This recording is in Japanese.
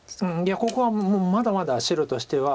ここはまだまだ白としては。